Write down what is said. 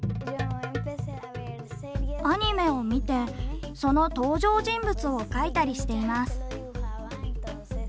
アニメを見てその登場人物を描いたりしています。